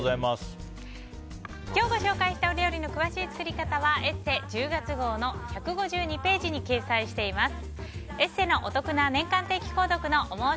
今日ご紹介した料理の詳しい作り方は「ＥＳＳＥ」１０月号の１５２ページに掲載しています。